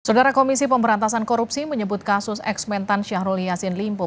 saudara komisi pemberantasan korupsi menyebut kasus eksmentan syahrul yassin limpo